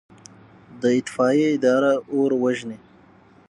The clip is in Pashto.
د اطفائیې اداره اور وژني